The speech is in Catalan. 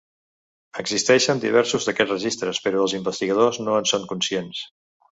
Existeixen diversos d'aquests registres, però els investigadors no en són conscients.